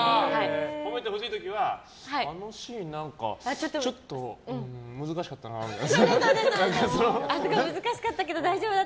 褒めてほしい時はあのシーン、何かちょっと難しかったなみたいな。